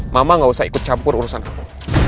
mama gak usah ikut campur urusan apa